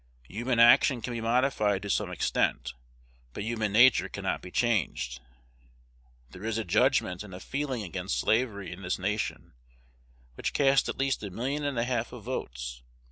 Human action can be modified to some extent; but human nature cannot be changed. There is a judgment and a feeling against slavery in this nation, which cast at least a million and a half of votes.